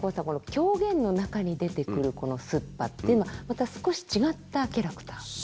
この狂言の中に出てくるこの「すっぱ」っていうのはまた少し違ったキャラクター。